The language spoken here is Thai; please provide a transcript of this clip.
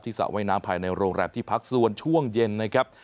สระว่ายน้ำภายในโรงแรมที่พักส่วนช่วงเย็นนะครับ